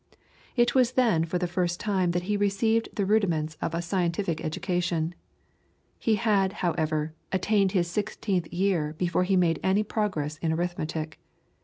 It was then for the first time that he received the rudiments of a scientific education. He had, however, attained his sixteenth year before he made any progress in arithmetic.